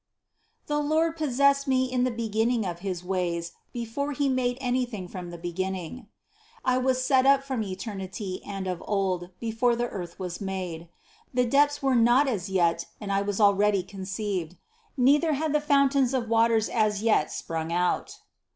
"The Lord possessed me in the be ginning of his ways before He made anything from the beginning." 23. "I was set up from eternity and of old, before the earth was made." 24. "The depths were not as yet and I was already conceived : neither had the fountains of waters as yet sprung out."